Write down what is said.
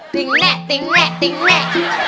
ติ๊งเน่ติ๊งเน่